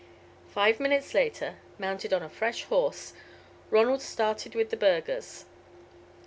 Five minutes later, mounted on a fresh horse, Ronald started with the burghers.